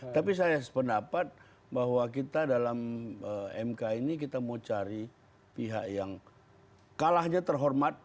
tapi saya sependapat bahwa kita dalam mk ini kita mau cari pihak yang kalahnya terhormat